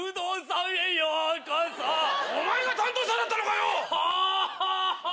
おまえが担当者だったのかよ！